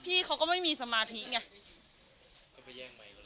พี่เขาก็ไม่มีสมาธิเนี่ย